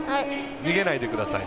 逃げないでください。